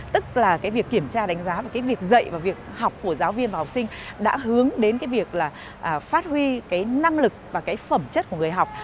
tức là cái việc kiểm tra đánh giá và cái việc dạy và việc học của giáo viên và học sinh đã hướng đến cái việc là phát huy cái năng lực và cái phẩm chất của người học